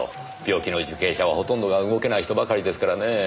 病気の受刑者はほとんどが動けない人ばかりですからねぇ。